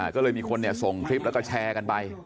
ก็เลยมีคนส่งคลิปแล้วก็แชร์กันไป